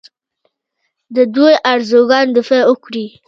د دوی ارزوګانو دفاع وکړي